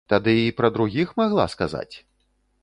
Тады і пра другіх магла сказаць?